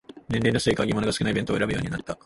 年齢のせいか揚げ物が少ない弁当を選ぶようになった